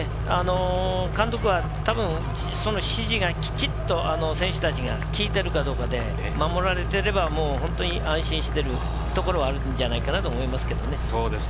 監督は、たぶん指示がきちっと選手たちが聞いているかどうかで守られていれば、本当に安心しているところはあるんじゃないかなと思いますけれどもね。